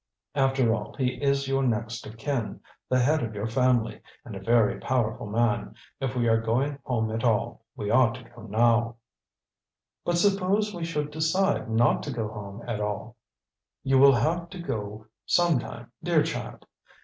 After all, he is your next of kin, the head of your family, and a very powerful man. If we are going home at all, we ought to go now." "But suppose we should decide not to go home at all?" "You will have to go some time, dear child.